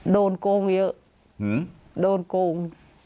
โดนโกงเยอะโดนโกง